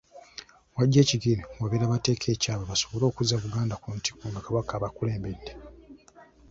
W'aggya ekigere we babeera bateeka ekyabwe basobole okuzza Buganda ku ntikko nga Kabaka abakulembedde.